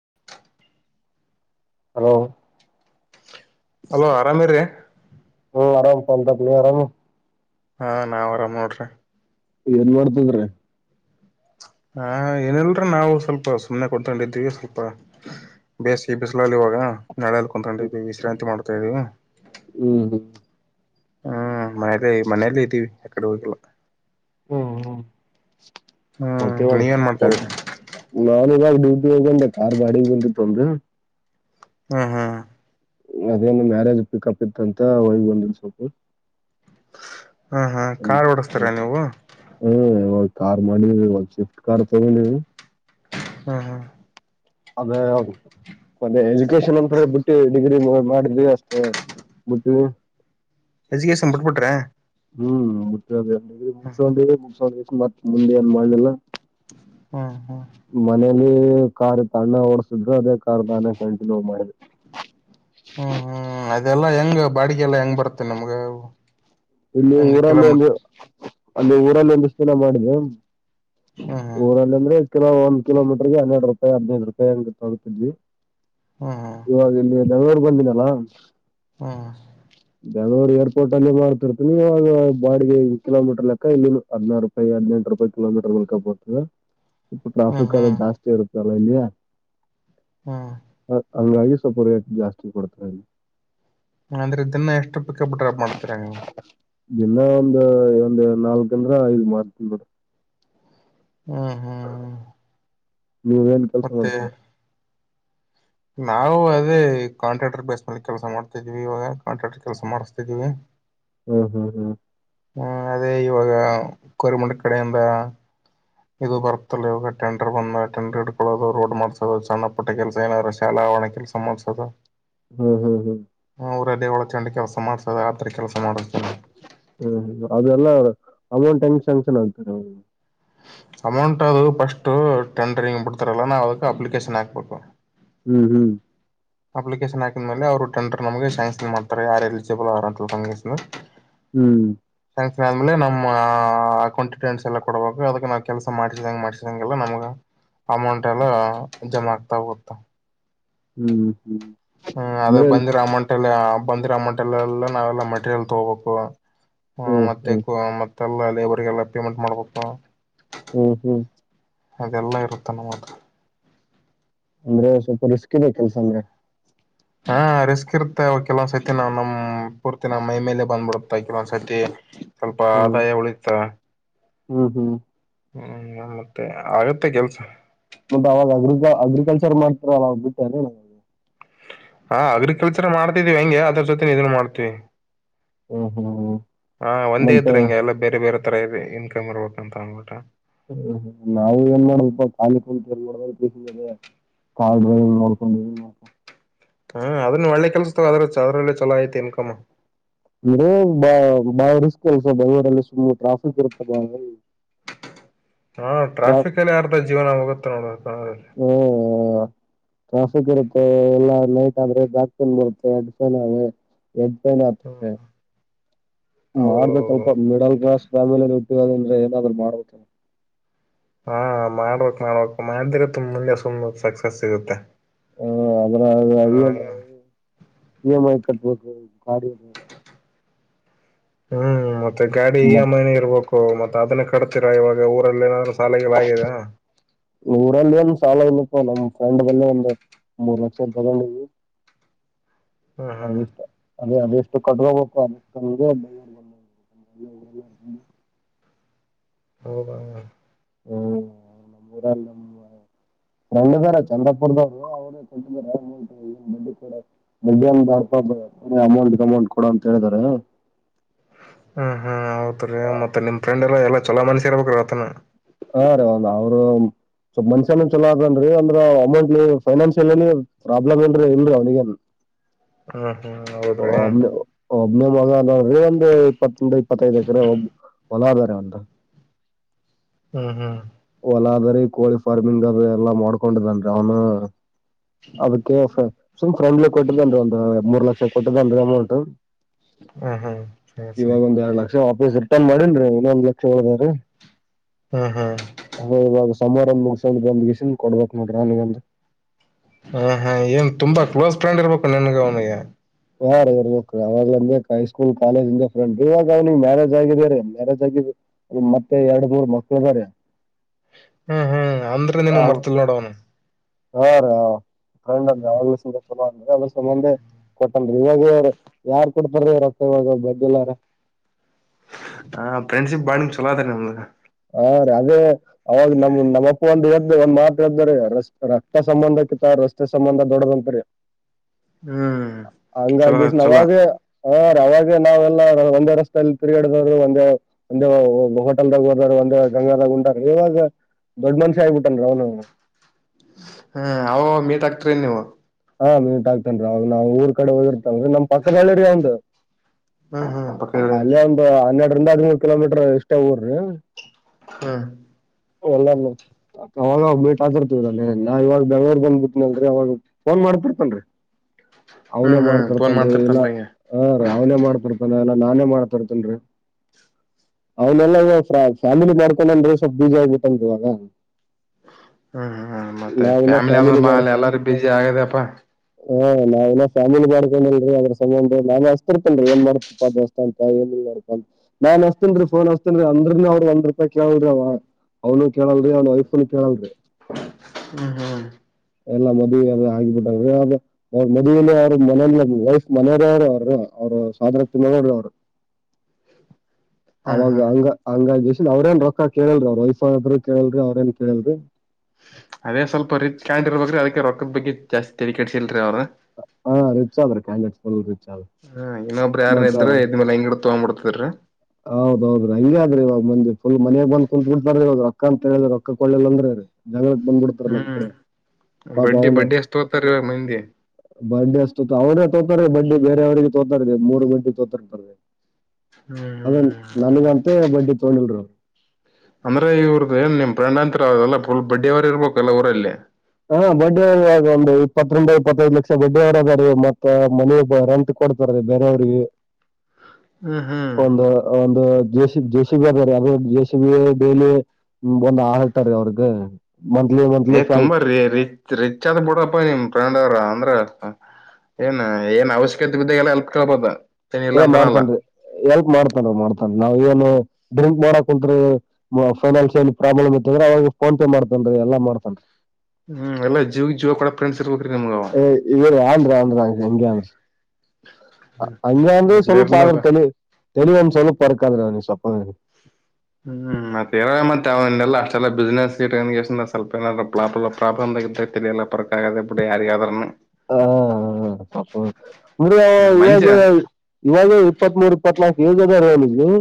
[inaudible] Hello hello ಆರಾಮೇ ಇರಯ್ಯ. ಓಹ್ ಆರಾಮ್ ಪ ಅಂತ ಪ ನೀವ್ ಆರಾಮ್. ಹಾ ನಾವ್ ಆರಾಮ್ ನೋಡ್ರಿ. ಏನ್ ಮಾಡ್ತಂದ್ರ ಹಾ ಏಲ್ರೂ ನಾವು ಸ್ವಲ್ಪ ಸುಮ್ನೆ ಕುತ್ಕೊಂಡಿರ್ತೀವಿ ಸ್ವಲ್ಪ ಬೇಸಿಗೆ ಬಿಸಿಲಲ್ಲಿ ಇವಾಗ ನಳೆ ಅಲ್ಕಂತಕೊಂಡು ವಿಶ್ರಾಿ ಮಾಡ ತ್ತರಿ ಹ್ಮ್ ಹ್ಮ್ ಹ್ಮ್ ಮನೇಲ್ಲ ಮನೇಲ್ಲ ಇದ್ದೀವಿ ಯಕಡೆ ಹೋಗಲ್ಲ ಹಾ ಹಾ ಸ ಹ್ಮ್ ಮತ್ತೆ ಇವಾಗ ನೀವೇನ್ ಮಾಡ್ತಾ ಇದ್ರಿ ನಾನ ಇವಾಗ ಡ್ಯೂಟಿ ಹೋಗೊಂಡ ಕಾರ್ ಬಾಡಿಗೆ [unintelligible] ತೊಂದು ಹಾ ಹಾ ಅದೇಂದು ಮ್ಯಾರೇಜ್ ಪಿಕಪ್ ಇತ್ತಂತ ವೈ ಬಂದಿನಿ ಸೊಪ್ಪ. ಹಾ ಹಾ ಕಾರ್ ಓಡಸ್ತೀರಾ ನೀವು. ಇವಾಗ ಕಾರ್ ಮನೇಲಿ ಇಲ್ವಾ ಶಿಫ್ಟ್ ಕಾರ್ [unintelligible] ಹಾ ಹಾ ಅದೇ ಅದು ಅದೇ ಎಜುಕೇಶನ್ ಅಂದ್ರೆ ಬಿಟ್ಟಿ ಡಿಗ್ರಿ ಮುಗುದ್ವಾ ಡಿಗ್ರಿ ಅಷ್ಟೇ ಬಿಟ್ಟ ಎಜುಕೇಶಷನ್ ಬುಟ್ ಬಿಟ್ರ್ಯ. ಹ್ಮ್ ಮುಟ್ಟದ [unintelligible] ಮತ್ತ್ ಮುಂದೆ ಏನ್ ಮಾಡ್ಲಿಲ್ಲ ಹಾ ಹಾ ಓ ಓ ಕಾರ್ ತಣ್ಣ ಓಡಸಿದ್ರು ಅದೇ ಕಾರ್ ತಾನೇ ಕಂಟಿನ್ಯೂ ಮಾಡಿ ಹ್ಮ್ ಹ್ಮ್ ಅದೆಲ್ಲಾ ಹೆಂಗ ಬಾಡಿಗೆ ಎಲ್ಲಾ ಹೆಂಗ್ ಬರುತ್ತೆ ನಮ್ಗ ಅವ. ಇಲ್ಲಿ ಊರಲ್ಲಿ ಒಂದು ಅಲ್ಲಿ ಊರಲ್ಲಿ ಒಂದಷ್ಟತನ ಮಾಡಿದೆ ಹ್ಮ್ ರಲ್ಲ ಅಂದ್ರೆ ಕಲ ಒಂದ ಕಿಲೋಮೀಟರ್ಗೆ ಹನ್ನೆರ ರೂಪಾಯಿ ಹದಿನೈದು ರೂಪಾಯಿ ಅ ಗೊ ತಗತಿದ್ವಿ ಹ್ಮ್ ಹ್ಮ್ ಇವಾಗಿಲ್ಲಿ ಬೆಂಗಳೂರ್ ಬಂದಿನಲ್ಲ ಹ್ಮ್ ದನೂರು ರ್ಪೋರ್ ಅಲ್ಲಿ ಮಾಡತರು ನೀವಾಗ ಬಾಡಿಗೆ ಕಿಲೋಮೀಟರ್ ಲೆಕ್ಕ ಇಲ್ಲಿ ಹದ್ನಾರ್ ರೂಪಾಯಿ ಹದ್ನೆಂಟು ರೂಪಾಯಿ ಕಿಲೋಮೀಟರ್ ಲೆಕ್ಕ ಬರ್ತದೆ ಇ ಹ್ಮ್ ಹ್ಮ್ ಟ್ರಾಫಿಕ ಅಲ್ಲ ಜಾಸ್ತಿ ಇರುತ್ತೆ ಒಂದಿನ ಹ್ಮ ಹಂಗಾಗಿ ಸ್ವಪ ರೇಟ್ ಜಾಸ್ತಿ ಕೊಡ್ತರಿ ಅಂದ್ರೆ ಇದನ್ನ ಎಷ್ಟು ಪಿಕಪ್ ಡ್ರಾಪ್ ಮಾಡ್ತೀರಾ ನೀವು ದಿನ ಒಂದ ಒಂದ್ ನಾಲ್ಕ ಅಂದ್ರ ಐದ್ ಮಾರ್ತನ್ ನೋಡ ಹ್ಮ ಹ ನೀವು ಏನ್ ಕೆಲಸ ಮತ್ತೆ ಮಾಡ್ತ ನಾವು ಅದೇ ಕಾಂಟ್ರಾಕ್ಟರ್ ಬೇಸ್ ಮಲ್ಲಿ ಕೆಲಸ ಮಾಡ್ತಿದ್ವಿ ಇವಾಗ ಕಾಂಟ್ರಾಕ್ಟರ್ ಕೆಲಸ ಮಾಡಸ್ತಿದೀವಿ ಹ್ಮ್ ಹ್ಮ್ ಹ್ಮ್ ಹ್ಮ ಅದೇ ಇವಾಗ ಕೋರ್ಮುಂಡ ಕಡೆಯಿಂದ ಇದು ಬರ್ತಲ್ಲ ಇವಾಗ ಟೆಂಡರ್ ಬಂದ ಟೆಂಡರ್ ಇಡ್ಕೊಳ್ಳೋದು ರೋಡ್ ಮಾಡ್ಸೋದು ಸಣ್ಣ ಪುಟ್ಟ ಕೆಲಸ ಏನಾದ್ರ ಶಾಲಾ ಆರಣೆ ಕೆಲಸ ಮಾಡ್ಸೋದು ಹ್ಮ್ ಹ್ಮ್ ಹ್ಮ್ ಅವರ ಅಲ್ಲೇ ಒಳ ಚಂಡಿ ಕೆಲಸ ಮಾಡ್ಸದ ಆದ್ರ ಕೆಸ ಹ್ಮ್ ಹ್ಮ ಅದೆಲ್ಲ ಅವ ಅಮೌಂಟ್ ಹೆಂಗಂಕ್ಷನ್ ಆಗ್ತಾರೆ ಅಮೌಂಟ್ ಅದು ಫಸ್ಟ್ ಟೆಂಡರ್ ಹಿಂಗ್ ಬಿಡ್ತಾರಲ್ಲ ನಾವವು ಅದಕ್ಕೆ ಅಪ್ಲಿಕೇಶನ್ ಹಾಕ್ಬೇಕು ಹ್ಮ್ ಹ್ಮ್ ಅಪ್ಲಿಕೇಶನ್ ಹಾಕಿದ ಮೇಲೆ ಅವರು ಟೆಂಡರ್ ನಮಗೆ ಶ್ಯಾಂಕ್ಷನ್ ಮಾಡ್ತಾರೆ ಯಾರು ಎಲಿಜಿಬಲ್ ಯಾರ ಹ್ಮ್ ಆದ್ಮೇಲೆ ನಮ್ಮ್ ಅಕೌಂಟ್ ಟಸ್ ಎಲ್ಲ ಕೊಡಬೇಕು ಅದಕ್ಕೆ ನಾವ್ ಕೆಲ್ಸ ಮಾಡ್ಸಿದಂಗ ಮಾಡ್ಸಿದಂಗೆಲ್ಲ ನಮ್ ಅಮೌಂಟ್ ಎಲ್ಲ ಜಮಾ ಆಗ್ತಾ ಹೋಗುತ್ತೆ ಹ್ಮ್ ಹ್ಮ್ ಹ್ಮ್ ಅದ ಅಂದ್ರೆ ಬಂದಿರಮಂಟ್ ಬಂದಿರಮಂಟಲ್ಲ ಎಲ್ಲ ನಾವೆಲ್ಲ ಮೆಟೀರಿಯಲ್ ತಗೋಬೇಕು ಹ ಹ್ಮ್ ಮತ್ತೆ ಹ್ಮ್ ಮ ಲ್ಲ ಲೇಬರ್ಗೆಲ್ಲ ಪೇಮೆಂಟ್ ಮಾಡ್ಬೇಕು ಹ್ಮ್ ಹ್ಮ್ ಅದೆಲ್ಲಾ ಇರುತ್ತ ನಮತ್ರ. ಅಂದ್ರೆ ಸ್ವಲ್ಪ ರಿಸ್ಕ ರ ಕೆಲ್ಸ ಅಂದ್ರೆ ಹಾ ರಿಸ್ಕ್ ಇರ್ತ ಅವ ಕೆಲವೊಂದ್ ಐತಿ ನಾ್ ನಮ್ ಪೂರ್ತಿ ನ ಮೈ ಮೇಲೆ ಬಂದ್ಬಿಡು ತಾಕಿ ಮಸ [unintelligible] ಸ್ವಲ್ಪ ಹ್ಮ್ ಆದಾಯ ಉಳಿತಾ ಹ್ಮ್ ಹ್ಮ್ ಹ್ಮ್ ಮತ್ತೆ ಆಗತ್ತೆ ಕೆಲ್ಸ ಮತ್ತ ಅವಾಗ ಅಗ್ರಿಕ ಅಗ್ರಿಕಲ್ಚರ್ ಮಾಡ್ತರ ಅವ್ ಬಿಟ್ಟ್ರ ನ ಹಾ ಅಗ್ರಿಕಲ್ಚರ್ ಮಾಡ್ತಿದೀವಿ ಹೆಂಗೆ ಅದ್ರ ಜೊತೆ ಇದನ್ ಮಾಡ್ತೀವಿ ಹ್ಮ್ ಹ್ಮ್ ಹ್ಮ್ ಹಾ ಒಂದೇ ಮತ್ತೆ ಇದ್ರಂಗೆ ಎಲ್ಲ ಬೇರೆ ಬೇರೆ ರ ಇ ಇನ್ಕಮ್ ಇರ್ಬೇಕ ಅಂತ ಅಂದ್ಬಿಟ್ಟಾ. ಹ ನಾವು ಏನ್ ಮಾಡಪ್ಪ ಖಾಲಿ ಕು ಏನ್ ಮಾಡ ಕಾರ್ ಡ್ರೈವಿಂಗ್ ನೋಡ್ಕೊಂಡ ಹ್ಮ ಅದನ್ನ ಒಳ್ಳೆ ಕೆಲ್ಸದಾವ ಅದ್ರ ಅದ್ರಲ್ಲ ಚಲೋ ಐತೆ ಇನ್ಕಮ್ ಬಾ ಬಾಳ ರಿಸ್ಕ್ ಅಲ್ಸ ಬೆಂಗಗಳೂರಲ್ಲಿ ಸುಮ್ಮ್ ಟ್ರಾಫಿಕ್ ಇರುತ್ತ ಬಾಳ ಹಾ ಟ್ರಾ ಟ್ರಾಫಿಕ್ಕಲೆ ಅರ್ದ ಜೀವ್ನ ಹೋಗುತ್ತೆ ನೋಡು [unintelligible] ತಾಸಕ್ ಇರುತ್ತೆ ಎಲ್ಲಾ ನೈಟ್ ಆದ್ರೆ ದಾಕ್ತನ್ ಬರುತ್ತೆ ಎಡ್ನೆ ಹ್ಮ್ [unintelligible] ಹೌದೌದು ಮಾಡ್ಬೇಕಲ್ಪ ಮಿಡಲ್ ಕ್ಲಾಸ್ ಫ್ಯಾಮಿಲಿಲ್ ಂದ್ರೆ ಏನಾದ್ರು ಮಾಡ ಹಾ ಮಾಡ್ಬೇಕಕ್ ಮಾಡ್ಬೇಕಕ್ ಮಾಡಿದ್ರೆ ತುಮ್ ಮುಂದೆ ಸುಮ್ ಸಕ್ಸಸ್ ಸಿಗುತ್ತೆ ಹ ಅದ್ರಗ ಹ E M I E M I ಕಟ್ಬಕು [unintelligible] ಗಾಡಿ ಅದ ಹ್ಮ್ ಮತ್ತೆ ಮತ್ತೆ ಗಾಡಿ ಈ ಮತ್ತೆ ಮನೆ ಇರ್ಬೇಕು ಮತ್ತೆ ಸಾದನ್ನ ಕಡ್ತೀರಾ ಇವಾಗ ಊರಲ್ಲಿ ಏನಾದ್ರು ಸಾಲ ಗೀಲ ಆಗಿದಾ ಊರಲ್ಲೇನ್ ಸಾಲ ಇಲ್ಲಪಾ ನಮ್ಮ್ [inaudible] ಎಲ್ಲ ಒಂದು ಮೂರ್ ಲಕ್ಷ ತಗೊಂಡಿವಿ ಹ್ಮ್ ಅದೇ ಹ್ಮ್ ಇಷ್ಟ ಅದೇ ಅದೇ ಇಷ್ಟ ಕಾಡ್ರುಗಪ್ಪ ಹ ಹಾ ಹ್ಮ್ ನಮ್ಮೂರಾಗ್ ನಮ್ಮ ಫ್ರೆಂಡ್ ಇದಾರ ಚಂದ್ರಪುರ್ದವ್ರು ಅವ್ರೇ ಕೊಟ್ಟಿದ್ದಾರೆಡ್ ಕೊಡ ಬಡ್ಪ ಅಮೌಂಟ್ ಅಮೌಂಟ್ ಕೊಡ ಅಂತ ಹೇಳಿದಾರೆ ಹ್ಮ್ ಹ್ಮ್ ಹೌತ್ ರೀ ಮತ್ತೆ ನಿಮ್ ಫ್ರೆಂಡ್ ಎಲ್ಲಾ ಎಲ್ಲಾ ಚಲ ಮನ್ಸಿ ಇರ್ಬೇಕ್ರೀ ಆತನ ಹಾ ರೀ ಒಂದ್ ಅವ್ರ ಸ್ವಲ್ ಮನ್ಷ್ಯನ ಚಲೋ ಅ್ರೇನ್ೀ ಅಂದ್ರ ಅಮೌಂಟ್ ಫೈನಾನ್ಸಿಯಲ್ಲ್ಲಿ ಪ್ರಾಬ್ಲಮ್ ಏನ್ರಿ ಇಲ್ರರಿ ಅವ್ನಿಗನ್ ಹ್ಮ ಅಮ ಒಬ್ನೇ [unintelligible] ಒಂದು ಇಪ್ಪತ್ತಂದ ಇಪ್ಪತ್ತೈದು ಎಕರೆ ಒಂದ್ ಭಲಾದವಾರೆ ಅಂತ ಹ್ಮ್ ಹ್ಮ್ ಎಲ್ಲ ಅದರಿ ಕೋಳಿ ಫಾರ್ಮಿಂಗ್ ಅದ ಎಲ್ಲಾ ಮಾಡ್ಕೊಂಡಿದನ್ರಿ ಅವ್ನು ಅದಕ್ಕೆ ಸುಮ್ ಫ್ರೆಂಡ್ಲಿ ಕೊಟ್ಟಿದ್ದ ಅನ್ ಒಂದು ಮೂರ್ ಲಕ್ಷ ಟೊಮೊಟೊ ಹ್ಮ ಹ್ಮ್ [inaudible] ಆಫೀಸ್ ರಿಟರ್ನ್ ಮಾಡನ್ೀ ಇನ್ನೊಂದ್ ಲಕ್ಷ ಹೋದ್ರೀ ಹ್ಮ್ ಹ್ಮ್ ಸಮಾರ ಮುಗಸ ಬಂದ್ ಗಸನ್ ಕೊಡ್ಬೇಕಕ್ ನೋಡ್ರ ನನಗಂತ ಹಾ ಹಾ ಏನ್ ತುಂಬಾ ಕ್ಲೋಸ್ ಫ್ರೆಂಡ್ ಇರ್ಬೇಕು ನಿನ್ಗೆ ಅವನಿಗೆ ಯಾಾರ ಇರ್ಬೇಕ್ರ ಅವಾಗ್ ಅಂದ ಹೈಸ್ಕೂಲ್ ಕಾಲೇಜ್ ಇಂದ ಫ್ರೆಂಡ್ ಇವಾಗ ಅವ್ನಿಿಗೆ ಮ್ಯಾರೇಜ್ ಆಗಿದ ರ ಮ್ಯಾರೇಜ್ ಆಗ ಮತ್ತೆ ಎರಡ್ ಮೂರ್ ಮಕ್ಳು ಇದ್ದಾರೆ ಹ್ಮ್ ಹ್ಮ್ ಅಂದ್ರೆ ನೀನು ಮರ್ತಿಲ್ ನೋಡವನು ಹ ರ [unintelligible] ಮಧೆ ಕೊಟ್ಟನ್ೀ ಇವಾಗವರು ಯಾರ್ ಕೊಡ್ತಾರ ಇವೊಕ್ಕ ಇವಾಗ ಬಡ್ಡಿಿಲ್ಲಾರ ಹ ಫ್ರೆಂಡ್ಶಿಪ್ ಬಾಂಗ ಚಲೋ ಅದ ನಿಮ್್ದ ಹಾಂ ರೀ ಅದೇ ಅವಾಗ ನಮ್ ನಮ್ಮಪ್ಪ ಒಂದು ಎದ್ದ ಒಂದ್ ಮಾತ ಹೇಳ್ದ್ರೀ ರ ರಕ್ತ ಸಂಬಂಧಕ್ಕಿತ್ತ ರಸ್ತೆ ಸಂಬಂಧ ದೊಡದಂತರಿ ಹ್ಮ್ ಚಲ ಚಲ ಹೂಂ ರೀ ಅವಾಗ ನಾವೆಲ್ಲ ಒಂದೇ ರಸ್ತೆಲ್ ತಿರುಗಾಡದವ್ರು ಒಂದೇ ಒಂದೇ ಹೋಟೆಲ್ದಾಗ ಒಂದ ಗಂಗಾಲ ಉಂಟಾಗ ಇವಾಗ ದೊಡ್ ಮನ್ಷಿ ಆಗ್ಬಿಟ್ಟನ್ ಅವನು ಹ್ಮ ಅವ ಮೇ ಾಕ್ಟ್ರ ನೀವ ಹಾ ಮೀಂ ಆಕ್ತನ್ೀ ಅವಾಗ ನಾ್ ಊರ್ ಕಡೆ ಹೋಗಿರ್ತ ನಮ್ ಪಕ್ಕದಳ್ಳಿರಿೀ ಒಂದು ಹ್ಮ್ ಹ್ಮ್ ಅ ಪಕ್ಕಳ ಇಂದನೂರು ಕಿಲೋಮೀಟರ್ ಇಷ್ಟ ಊರ ಹ್ಮ ಎಲ್ಲ ಅವಾಗಾಗ ಬಿಟ್ಟ ಹ ಆತರ್ತಲ್ಲ ಎಲ್ಲಾ ಇವಾಗ ಬೆಳವರ್ ಬಂದ್ಬಿಟ್ಟನಲ್ರರಿ ಅವವಾಗ ಫೋನ್ ಮಾಡತಿರ್ತನ್ರಿ ಅವನೇ ಹ್ಮ್ ಫೋನ್ ಮಾಡ್ತಿರ್ತನ್ೀ ಇಲ್ಲ ಮಾಡ್ತಿರ್ತನ್ಗೆ ಹ ರೀ ಅವನೇ ಮಾಡ್ತಿರ್ತಾನ ಎಲ್ಲ ನಾನೇ ಮಾಡತಾರ್ತನ್ೀ ಅವನಲ್ಲ ಫ್ಯಾಮಿಲಿ ಮಾಡ್ಕೊಂಡನ್ಿ ಸ್ವಲ್ಪ ಬೀಜ ಆಗ್ಟ್ಟನ್ ಇವಾಗ ಹ್ಮ್ ಹ್ಮ ಮತ್ತೆ ನಾವಿನ್ನ ಫ್ಯಾಮಿಲಿ ಅ್ರ ಮಾಡ್ ಎಲ್ಲಾರು ಬುಜಿ ಆಗದಪ್ಪಾ ಹಾ ನಾವ್ನ ಫ್ಯಾಮಿಲಿ ಮಾಡ್ಕೊಂಡಲ್ರಿ ಅದ್ರ ಸಂಬಂ ನಾನನ್ ಅಸ್ತಿರ್ತನ್ರಿ ಏನ್ ಮಾಡ್ತತಿಪ್ಪ ದೋಸ್ತ ಅಂತ ಏನ್ ಮಾಡ ನಾನ್ ಅಸ್ತನ್ರಿ ಫೋನ್ ಅಸ್ತನ್ರಿ ಅಂದ್ರನ ಅವ್ರರು ಒಂದ್ ರೂಪಾಯಿ ಕೇಳಲ್್ರಿ ಅವ ಅವನು ಕೇಳಲ್ರಿ ಅವ್ ವೈಫ್ನು ಕೇಳಲ್ರರಿ ಹ್ಮ್ ಹ್ಮ್ ಎಲ್ಲ ಮದುವೆ ಎಲ್ಲ [unintelligible] ಅವ್ರ ಮದುವೆಲಿ ಅವರು ಮನ ವೈಫ್ ಮನೆಯವರ ಅವರು ಅವ್ರ ಅವರು ಸ್ವಾದ್ರತ್ತೆ ಮಗಳ್ರಿ ಅವರು. ಹ್ಮ್ ಅವಾಗ ಹ್ಮ್ ಹಂಗ ಹಂಗ ಅವ್ರೇನ್ ರೊಕ್ಕ ಕೇಳಲ್ರಿ ಅವ್ರ ವಯಸ್ಸಾದ್ರು ಕೇಳಲ್ರಿ ಅವ್ರೇನ್ ಕೇಳಲ್ರಿ ಅದೇ ಸ್ವಲ್ಪ ರಿಚ್ ಕಾಯಿ್ ಇರ್ಬೇಕ್ರ ಅದಕ್ಕೆ ರೊಕ್ಕದ ಬಗ್ಗೆ ಜಾಸ್ತಿ ತೆರಿ ಕೆಡಸಿಲ್ಲ ಹಾ ರಿಚ್ ಆದ್ರೀ ಕ್ಯಾಂಡಟ್ ರುಚ್ ಆದ್ರಿ ಇನ್ನೊಬ್ಬ್ರ ಯಾರ್ನ್ ಮತ್ತ ಇದ್ರ ಇದ್ಮೇಲೆ ಹಂಗಡ ತಗೊಬ ಬಿಡ್ತಿದ್ರರಿ ಹೌದೌದ್ರಿ ಹಂಗ ಅದ್ರಿ ಇವಾಗ ಮಂದ ಫುಲ್ ಮನೆ ಬಂದ ಕುಂತತ್ ಬಿಡ್ತ ರೀ್ ರೊಕ್ಕ ಅಂತ ಹೇಳ್ರ ರೊಕ್ಕ ಕೊೊಳ್ಳಲ್ ಅಂದ್ರಿ ರೀ ಜಗಳಕ್ ಬಂದ್ಬಿಡ್ತಾರ ನಮ್ ಕಡೆ ಹ್ಮ್ ಪಾಪ ಬಡ್ಡಿ ಬಡ್ಡಿ ಅಷ್ಟು ತೋತಾರೆ ಇವಾಗ ಮಂದಿ ಬರ್ಡೆ ಅಷ್ಟತ್ ಅವರೆ ತೋತಾರೆ ಬ ಬೇರೆವರಿಗೆ ತ ತೊತದೆ ಮೂರು ಗಂಟೆ ತೊತರ್ತರ್ದೆ ಅದೇ ಹ್ಮ್ ನನಗಂತ ಬಡ್ಡಿ ತಗೊಂಡಿಲ್ರ ಅವರು ಅಂದ್ರೆ ಇವರ್ದೇನ್ ನಿಮ್ ಫ್ರೆಂಡ್ ಅಂತರ ಅವರೆಲ್ಲ ಫುಲ್ ಬಡ್ಡಿ ವ್ಯವಾರ ಇರ್ಬೇಕಲ್ಲಾ ಊರಲ್ಲಿ? ಹಾ ಬಡ್ ವ್ಯವಾರ್ದಗ ಒಂದು ಇಪ್ಪತ್ರಿಂದ ಇಪ್ಪತ್ತೈದ್ ಲಕ್ಷ ಬಡ್ಡಿಯವರದ ಮತ್ತ ಮನೆ ರೆಂಟ್ ಕೊಡ್ತಾರ್ರಿ ಬೇರೆಯವ್ರಿಗೆ ಹ್ಮ್ ಹ್ಮ್ ಒಂದು ಒಂದು ಜ ಜೆಸಿಬಿ ಅದ ರ ಅದ್ರ ಜೆಸಿಬಿ ಡೈಲಿ ಬಂದ್ ಆಳ್ತಾರೆ ಅವ್ರಗ ಮಂತ್ಲಿ ಮಂತ್ಲಿ ಏ ತುಂಬಾ ರಿ ರಿಚ್ ರಿಚ್ ಆದ್ ಬಿಡಪ್ಪ ನಿಮ್ ಫ್ರೆಂಡ್ ಅವ್ರ ಅಂದ್ರ ಏನ್ ಏನ್ ಅವಶ್ಯಕತೆ ಬಿದ್ದ ಎಲ್ಲ ಎಲ್ಪ್ ಕಳ್ಬೋದ ಮಾಡ್ತನ್ೀ ಎಲ್ಪ್ ಮಾಡ್ತನ್ ಮಾಡ್ತನ್ಿ ನಾವವು ಏನು ಡ್ರಿಂಕ್ ಮಾಡಕ್ ಕುಂತ್ರಿ ಫೈನಾನ್ಸಿಯಲ್ ಪ್ರಾಬ್ಲಮ್ ಇತದ್ರ ಅವಾಗ ಫೋನ್ ಪೇ ಮಾಡ್ತನ್ೀ ಎಲ್ಲಾ ಮಾಡ್ತನ್ೀ ಹ್ಮ್ ಎಲ್ಲ ಜೀವ ಜೀವ ಕೊಡ ಫ್ರೆಂಡ್ಸ್ ಇರ್ಬೇಕು ಏ ಇದು ಅನ್ ರಾಂಗ್ ರಾಂಗ್ ಎಂಗಾಮಸ್ ಹಂಗ ಅಂದ್ರೆ ಇರ್ಲಿ ಸ್ವಲ್ಪ ಆದ್ರೆ ಇರ್ಲದ ತಲಿ ತಲಿ ಒಂದ್ ಸ್ವಲ್ಪ ಅರ್ಕ ಅದ ಅವನೀಗ ಸಪಗರೇ ಹ್ಮ್ ಮತ್ತರ ಮತ್ತೆ ಅವೆಲ್ಲ ಅಷ್ಟೆಲ್ಲ ಬಿಸ್ನೆಸ್ ಇ ಸ್ವಲ್ಪ ನಾದಬ್ ಪ್ರಾಬ್ಲಮ್ ಆಗ ತಿಳಿಯಲ್ಲ ಪರಕ್ ಆಗದ ಬಿಡಿ ಯಾರಿಗ್ ಹ ಹ ನ್ರ ಮಂಜ ಇವಾಗ ಇವಾಗ ಇಪ್ಪತ್ತ್ ಮೂೂರ್ ಇಪ್ಪತ್ನಾಕು ಏಜ ಅದಾರ ಹೇಳ ಎಯ್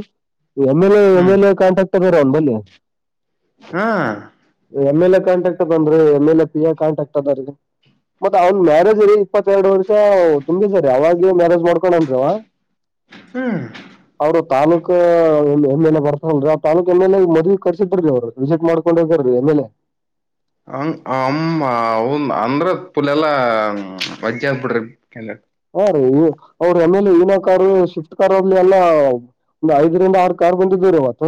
ಎಮ ಎಲ್ ಎಮ ಹ್ಮ್ ಎಲ್ ಎ [unintelligible] [unintelligible] ಹಾ ಕಾಂಟಾಕ್ಟ್ ಬಂದ್ರೆ ಮಲೆ ಪಿ ಕಾಂಟಾಕ್ಟ್ ಅದ ರಿ ಮ್ಯಾರಜ ರಿ ಇಪ್ಪತ್ತೆರಡು ವರ್ಷ ತುಂಬ ಸರಿ ಅವಾಗ ನೀವ್ ಮ್ಯಾರೇಜ್ಮಾಡ್ಕೊಂಡನ್ರೀ ಆವಾ ಹ್ಮ ತಾಲೂಕ ಎಮ್ ಎಲೆ ಬರ್ತವಲ್ರರಿ ಆ ತಾಲೂಕ ಎಮ ಎಲೆ ಮದುವಿ ಕರ್ಸಿದ್ರಿ ಅವರು ವಿಸಿಟ್ ಮಾಡ್ಕೊಂಡರಿ ಹೋಗ್ಯರಿ ಎಮ್ ಎಲ್ ಎ ಹಂಗ ಅಮ್ಮ ಅವನ್ ಅಂದ್ರ ಪುಲೆಲ್ಲ ಬಜ್ಜಿ ಆಗ್ಬಿಡ್ರಿ ಕೆ ಅವ್ರು ಅವರು ಎ ಮ್ಮೆ ಲೆ ಇನೋ ಕಾರು ಸ್ವಿಫ್ಟ್ ಕಾರ್ ಹಬ್ಲಿ ಎಲ್ಲ ಒಂದ ಐದರಿಂದ ಆರು ಕಾರ್ ಬಂದಿದ್ದವ್ ರಿ ಅವತ್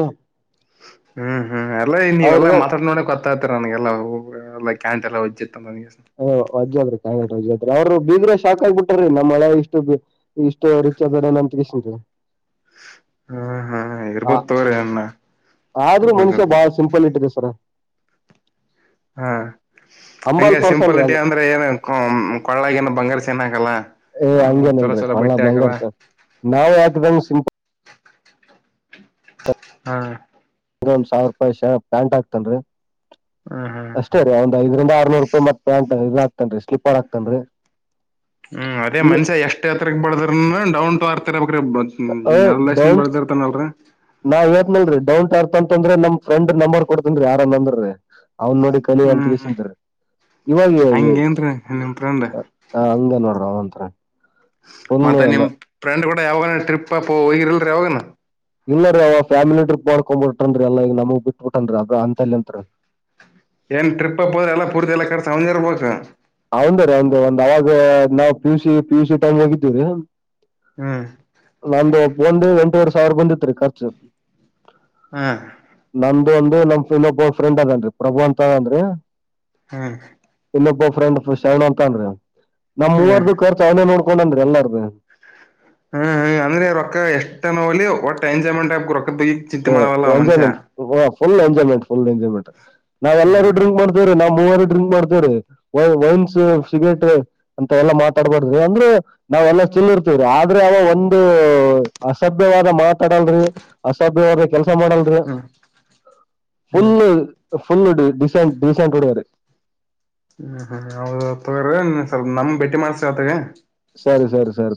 ಹ್ಮ್ ಹ್ಮ್ ಎಲ್ಲ ಈ ನೀವೆಲ್ಲಾ ಅವ್ರು ಮಾತಾಡ್ ನೋಡೆ ಗೊತ್ತಾಗುತ ನನ್ಗೆಲ್ಲವು ಹ ಎಲ್ಲ ಕ್ಯಾಂತ ಎಲ್ಲ ಒಜ್ ವಜ್ೋಗ್ರ ಅವ್ರು ಬೀಗರ್ ಶಾಕ್ ಆಗ್ಬಿಟ್ಟಾರ್ರೀ ನಮ್ಮ ಅಳಿಯ ಇಷ್ಟು ಇಷ್ಟು ರಿಚ್ದ ಇದಾರ ಅಂತ ಕೇಶಿಂದ್ ಹಾ ಹಾ ಇರ್ಬೋದು ತಗರಿಿ ಅ್ಣ ಆದ್ರೂ ಇರ್ಬೋದ ಮನುಷ್ಯ ಬಾಳ ಇರ್ಬೋದು ಸಿಂಪಲ್ ಇಟ್ಟಿದೆ ಸರ್ ಹಂಬಲ್ ಹಂಗಗೆ ಪರ್ಸನ್ ರೀ ಸಿಂಪಲಿಟಿ ಅಂದ್ರ ಅಂದ್ರೆ ಏನ್ ಕೊಳ್ಳಗನ ಬಂಗಾರ ಚೆನ್ನಾಗಲ್ಲ ಏ ಹಂಗೇನಲ್ರರಿ ಕಳ ಬಂಗಾರ್ ಚ ನಾವ್ ಹಾಕ್ದಂಗ್ ಸಿಂಪಲ್ ಹಾ ಒಂದ ಸಾವಿರ ರೂಪಾಯಿ ಶ ಪ್ಯಾಂಟ್ ಹಾಕ್ತಾನ್ರಿ ಹ್ಮ್ ಹ್ಮ್ ಅಷ್ಟೇ ರೀ ಒಂದ್ ಐದರಿಂದ ನೂರು ರೂಪಾಯಿ ಮತ್ ಪ್ಯಾಂಟ್ ಇದು ಹಾಕ್ತಾನ್ರಿ ಸ್ಲಿಪ್ಪರ್ ಹಕ್ತನ್ರಿ ಹ್ಮ್ ಅದೇ ಮನ್ಷಾ ಎಷ್ಟ್ ಹತ್ರಗ್ ಬಡ್ದ್ರ [unintelligible] [inaudible] ಅ್ರ ನೆಲ್ ದಷ್ಟನ್ ಡೌನ್ ಬೆಳದಿರ್ತಾನ ಅಲ್ರ [inaudible] ಅಂದ್ರೆ ನಮ್ ಫ್ರೆ್ ನಂಬರ್ ಕೊಡ್ತೀನ್ರೀ ಯಾರಂದಂದ್ರೀ [unintelligible] ಅವನ್ ನೋಡಿ ಕಲಿಯಂತ ಹ್ಮ್ ಗೆಸೆಯಿಂದ ಇವಾಗ ಹಂಗೇನ್ರೀ ನಿಮ್ ಫ್ರೆಂಡ್ ಹಂಗ ನೋಡ್ರಿ ಅವಂತ ಹ [inaudible] ಮತ್ತೆ ನಿಮ್ ಫ್ರೆಂಡ್ ಕೂಡ ಯಾವಾಗ ಟ್ರಿಪ್ ಪ್ಪ ಹಿರಲ್ರಾವಾಗಣ [inaudible] ಇಲ್ಲರೀ ಅವ ಫ್ಯಾಮಿಲಿ ಟ್ರಿಪ್ ಮಾಡ್ಕೊ್ಬ ಬಿಟ್ರನ್ರೀ ಎಲ್ಲಾ ಈಗ ನಮಗಗ್ ಬಿಟ್ಬ ಬಿಟನ್ರೀ ಅದ್ರ ಅಂತಲ್ಲಿ ಅಂತತ್ರಿ ತಂದಿ ಇರ್ಬೇಕು [inaudible] ಅವಂದರಿ ಒಂದು ಒಂದ್ ಅವಾಗ ನಾವ್ ಪಿಯುಸ ಪಿಯ ಯುಸಿ ಟೈಮ್ ಹೇಗಿದ್ದೇವಿ [unintelligible] ಹ್ಮ್ ನಾನಂದು ಬೊಂಡ ಎಂಟೂರು [inaudible] ಸರ್ಬಂದ ತ ರ ಕರ್ಚ [inaudible] ಹಾ [inaudible] ಇದು ಒಂದು ನಮ್ ಇನ್ನೊಬ್ ಫ್ರೆಂಡ್ ಅದನ್ರಿ ಪ್ರಭು ಅಂತ ಅಂದ್ರಿ ಹಾ [inaudible] ಉಲಫ [inaudible] ಫ್ರೆಂಡ್ ಶರಣ ಅಂತನ್ [unintelligible] ನಮ್ ಹ್ಮ್ ಮೂವರ್ದದು ಖರ್ಚು ಅವನೇ ನೋಡ್ಕೊಂಡ ಅಂದ್ರಿ ಎಲ್ಲಾರ್ದು [unintelligible] ಹ್ಮ್ ಹ್ಮ್ ಅಂದ್ರೆ ರೊಕ್ಕ ಎಷ್ಟನ ಹೋಲಿ ಒಟ್ ಎಂಜಾಯ್ಮೆಂಟ್ ಆಗ್ಬೇಕ್ ರು ಹ enjoyment [inaudible] full enjoyment full enjoyment. ನಾವ್ ಎಲ್ಲರು ಹ್ಮ್ ಡ್ರಿಂಕ್ ಮಾಡ್ತೀವ್ರಿ ನಾ ಮೂವರು ಡ್ರಿಂಕ್ ಮಾಡ್ತೇವ್ರಿ. ವೈನ್ಸ್, ಸಿಗರೇಟ್ ಅಂತ ಎಲ್ಲಾ ಮಾತಾಡ್ಬಾರ್ದ್ರಿ ಅಂದ್ರೆ ನಾವೆಲ್ಲಾ ಚಿಲ್ ಇರ್ತೇವ್ರಿ ಆದ್ರೆ ಅವ ಒಂದು ಅಸಭ್ಯವಾದ ಮಾತಾಡಲ್ರಿ ಕೆಲಸ ಮಾಡಲ್ರಿ ಹ್ಮ್ ಫುಲ್ ಹ್ಮ್ ಹ್ಮ್ ಫುಲ್ ಡೀಸೆಂಟ್ ಡೀಸೆಂಟ್ ಹುಡುಗರೇ [unintelligible] ಹ್ಮ್ ಹ್ಮ್ ಹೌದ ತಗ್ರ ಸ್ವಲ್ಪ ನಮ್ ಭೇಟಿ ಮಾಡ್ಸ ಆತ್ತಗ [unintelligible] ಸರಿ ಸರಿ ಸರಿ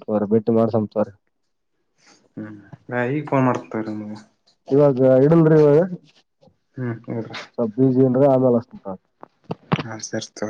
[unintelligible] ಹ್ಮ್ ನಾನೀಗ್ ಫೋನ್ ಮಾಡ್ತೀನ್ ತಡಿ ನಿಂಗೆ. ಇವಾಗ ಇಡಲ್ರಿ ಇವ ಹ್ಮ್ ಹಾ ಆಮೇಲೆ ಅಷ್ಟಂತ [inaudible]